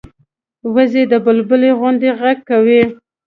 وزې د بلبلي غوندې غږ کوي